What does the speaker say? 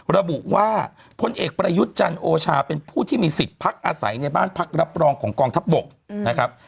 ระบุว่าพลเอกประยุทธ์จันโอชาเป็นผู้ที่มีสิทธิ์พักอาศัยในบ้านพักรับรองของกองทัพบกนะครับ